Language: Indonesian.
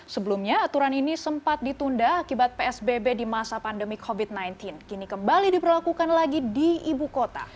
sebelumnya aturan ini sempat ditunda akibat psbb di masa pandemi covid sembilan belas kini kembali diperlakukan lagi di ibu kota